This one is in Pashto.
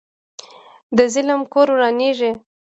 د ظالم کور ورانیږي